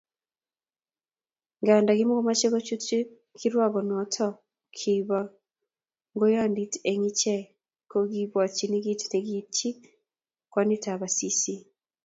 Nganda kimakomochei kochutyi kirwokonoto kibo ngoiyondit eng iche, ko kiibwatyi kit nekiityi kwanitab Asisi